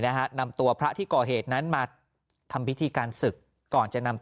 นะฮะนำตัวพระที่ก่อเหตุนั้นมาทำพิธีการศึกก่อนจะนำตัว